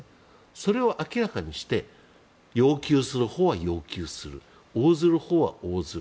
それを明らかにして要求するほうは要求する応ずるほうは応ずる。